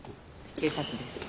警察です。